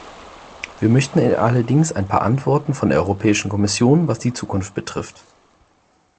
Wir möchten allerdings ein paar Antworten von der Europäischen Kommission, was die Zukunft betrifft.